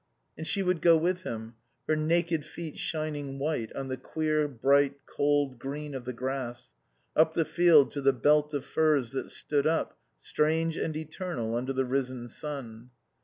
And she would go with him, her naked feet shining white on the queer, bright, cold green of the grass, up the field to the belt of firs that stood up, strange and eternal, under the risen sun.